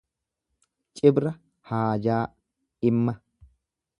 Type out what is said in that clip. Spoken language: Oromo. Cibra haajaa, dhimma.